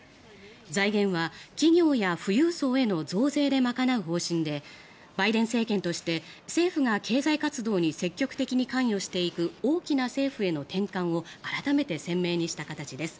財源は企業や富裕層への増税で賄う方針でバイデン政権として政府が経済活動に積極的に関与していく大きな政府への転換を改めて鮮明にした形です。